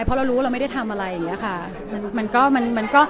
เพราะเรารู้ว่าเราไม่ได้ทำอะไรอย่างนี้ค่ะ